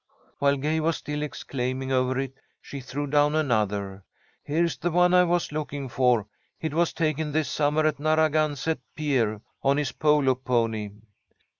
While Gay was still exclaiming over it, she threw down another. "Here's the one I was looking for. It was taken this summer at Narragansett Pier on his polo pony."